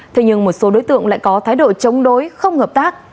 thế nhưng một số đối tượng lại có thái độ chống đối không hợp tác